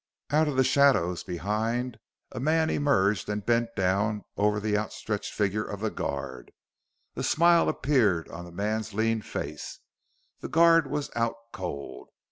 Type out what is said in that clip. Out of the shadows, behind, a man emerged and bent down over the outstretched figure of the guard. A smile appeared on the man's lean face: the guard was out cold.